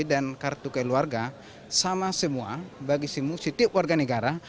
dan kartu keluarga sama semua bagi semua sitip warga negara